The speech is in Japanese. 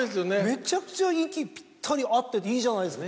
めっちゃくちゃ息ぴったり合ってていいじゃないですか。